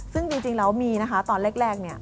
ซึ่งจริงแล้วมีนะคะตอนแรกเนี่ย